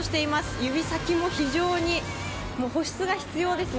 指先も非常に保湿が必要ですね。